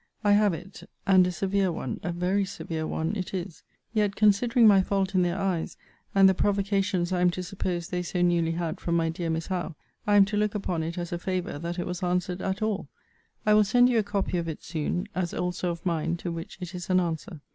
I have it: and a severe one, a very severe one, it is. Yet, considering my fault in their eyes, and the provocations I am to suppose they so newly had from my dear Miss Howe, I am to look upon it as a favour that it was answered at all. I will send you a copy of it soon; as also of mine, to which it is an answer.